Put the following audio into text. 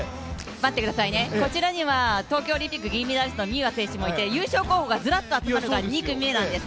こちらには東京オリンピック銀メダリストのミューア選手もいて優勝候補がずらっと集まるのが２組目なんです。